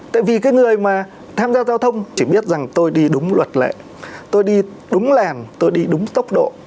tại vì cái người mà tham gia giao thông chỉ biết rằng tôi đi đúng luật lệ tôi đi đúng làn tôi đi đúng tốc độ